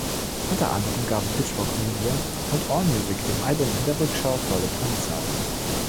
Unter anderem gaben Pitchfork Media und Allmusic dem Album in der Rückschau volle Punktzahl.